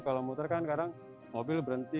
kalau muter kan kadang mobil berhenti